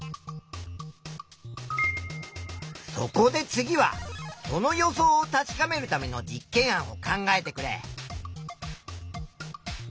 そこで次はその予想を確かめるための実験案を考えてくれ。